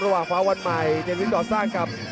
๐๑๘ระหว่างฟ้าวันใหมมายเจนวิฑิตตัวซ่าครับ